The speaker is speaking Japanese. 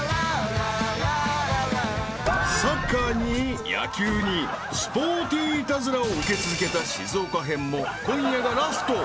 ［サッカーに野球にスポーティーイタズラを受け続けた静岡編も今夜がラスト］